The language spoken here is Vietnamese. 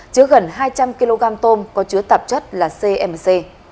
chứa gần hai trăm linh kg tôm có chứa tạp chất là cmc